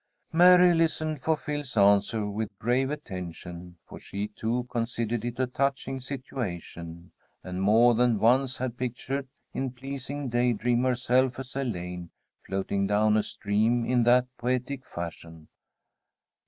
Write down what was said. Mary listened for Phil's answer with grave attention, for she, too, considered it a touching situation, and more than once had pictured, in pleasing day dream, herself as Elaine, floating down a stream in that poetic fashion.